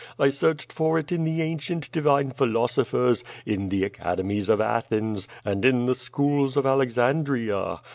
I searclied for it in the ancient divine philosophers, in the academies of Athens, and in the schools of Alexandria.